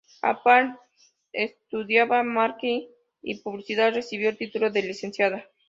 A la par estudiaba Marketing y Publicidad recibiendo el título de Licenciada.